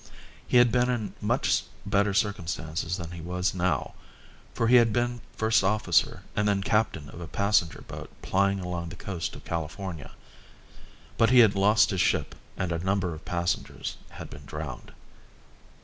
He had been in much better circumstances than he was now, for he had been first officer and then captain of a passenger boat plying along the coast of California, but he had lost his ship and a number of passengers had been drowned.